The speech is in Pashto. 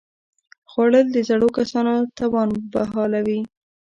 خوړل د زړو کسانو توان بحالوي